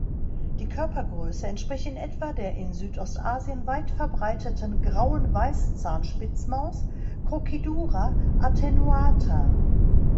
Die Körpergröße entspricht in etwa der in Südostasien weit verbreiteten Grauen Weißzahnspitzmaus ("Crocidura attenuata").